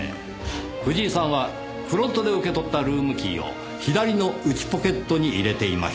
藤井さんはフロントで受け取ったルームキーを左の内ポケットに入れていました。